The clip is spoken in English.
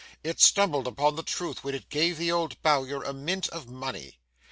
It stumbled upon the truth when it gave the old Bowyer a mint of money.